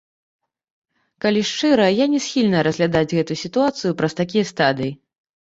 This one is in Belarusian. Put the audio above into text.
Калі шчыра, я не схільная разглядаць гэту сітуацыю праз такія стадыі.